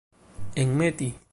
enmeti